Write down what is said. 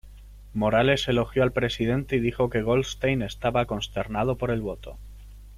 Morales, elogió al presidente y dijo que Goldstein estaba "consternado" por el voto.